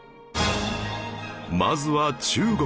まずは中国